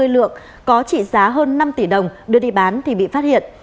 hai trăm ba mươi lượng có trị giá hơn năm tỷ đồng đưa đi bán thì bị phát hiện